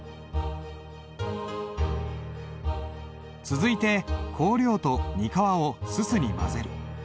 続いて香料と膠を煤に混ぜる。